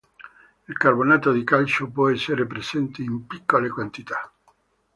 Il carbonato di calcio può essere presente in piccole quantità.